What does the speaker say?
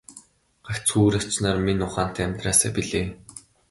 Гагцхүү үр ач нар минь ухаантай амьдраасай билээ.